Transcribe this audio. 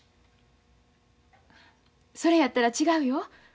それやったら違うよ。